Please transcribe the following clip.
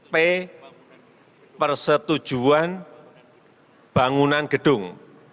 p persetujuan bangunan gedung